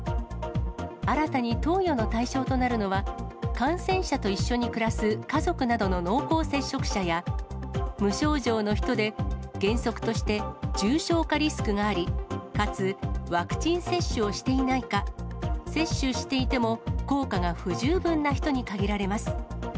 新たに投与の対象となるのは、感染者と一緒に暮らす家族などの濃厚接触者や、無症状の人で、原則として、重症化リスクがあり、かつワクチン接種をしていないか、接種していても、効果が不十分な人に限られます。